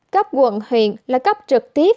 cấp quận huyện là cấp trực tiếp